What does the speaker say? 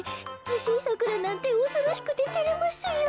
じしんさくだなんておそろしくててれますよ。